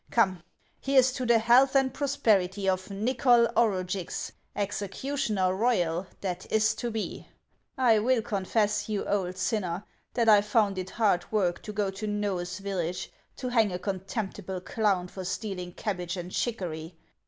Come, here 's to the health and prosperity of Xychol Orugix, executioner royal that is to be ! 1 will confess, you old sinner, that I found it hard work to go to Xces village to hang a con temptible clown for stealing cabbage and chicory.